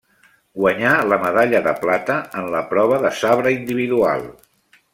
Guanyà la medalla de plata en la prova de sabre individual.